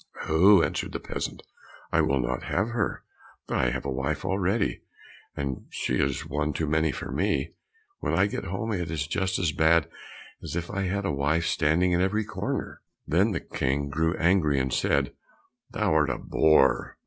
"Oh," answered the peasant, "I will not have her, I have a wife already, and she is one too many for me; when I go home, it is just as bad as if I had a wife standing in every corner." Then the King grew angry, and said, "Thou art a boor."